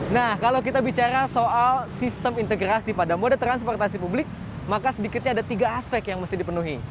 nah kalau kita bicara soal sistem integrasi pada moda transportasi publik maka sedikitnya ada tiga aspek yang mesti dipenuhi